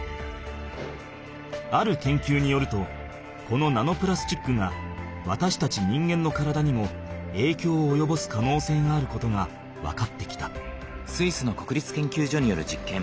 ある研究によるとこのナノプラスチックがわたしたち人間の体にも影響をおよぼす可能性があることが分かってきた。